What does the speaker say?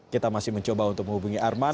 kita masih mencoba untuk menghubungi arman